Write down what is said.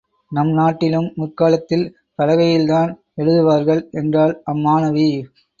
நம் நாட்டிலும் முற்காலத்தில் பலகையில்தான் எழுதுவார்கள் என்றாள் அம்மாணவி.